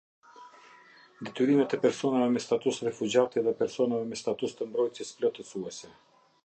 Detyrimet e personave me status refugjati dhe personave me status të mbrojtjes plotësuese.